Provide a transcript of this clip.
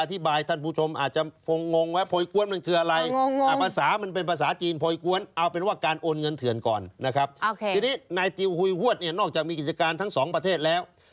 ทีนี้นายติวหุยฮวดเนี่ยนอกจากมีกิจการทั้งสองประเทศแล้ว